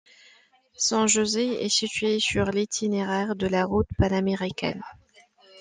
San José est situé sur l'itinéraire de la route panaméricaine.